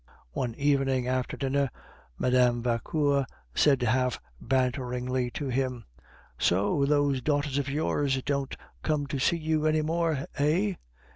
One evening after dinner Mme. Vauquer said half banteringly to him, "So those daughters of yours don't come to see you any more, eh?"